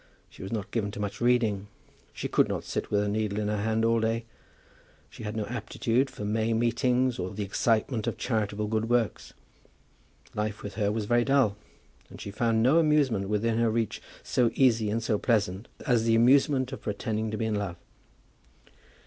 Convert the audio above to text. She was not given to much reading. She could not sit with a needle in her hand all day. She had no aptitude for May meetings, or the excitement of charitable good works. Life with her was very dull, and she found no amusement within her reach so easy and so pleasant as the amusement of pretending to be in love.